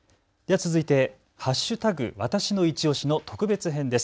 続いて＃わたしのいちオシの特別編です。